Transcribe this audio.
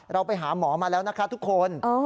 เราไปหาหมอมาแล้วนะคะทุกคน